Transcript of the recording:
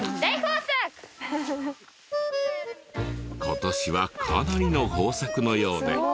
今年はかなりの豊作のようで。